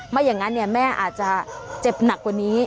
ไม่อย่างนั้นแม่อาจจะเจ็บหนักกว่านี้